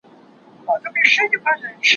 دا څه سِر دی په لاسونو د انسان کي